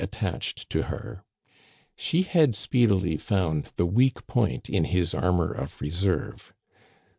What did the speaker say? attached to her. She had speedily found the weak point in his armor of reserve.